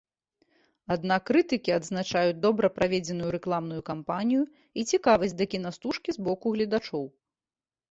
Аднак крытыкі адзначаюць добра праведзеную рэкламную кампанію і цікавасць да кінастужкі з боку гледачоў.